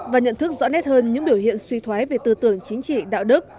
và nhận thức rõ nét hơn những biểu hiện suy thoái về tư tưởng chính trị đạo đức